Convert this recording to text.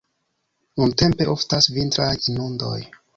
Nuntempe oftas vintraj inundoj.